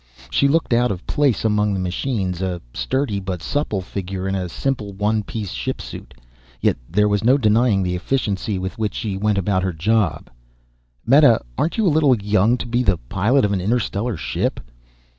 She looked out of place among the machines, a sturdy but supple figure in a simple, one piece shipsuit. Yet there was no denying the efficiency with which she went about her job. "Meta, aren't you a little young to be the pilot of an interstellar ship?"